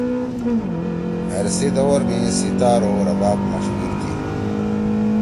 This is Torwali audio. مھیر سی دور می سیتار او رباب مشہُور تھی۔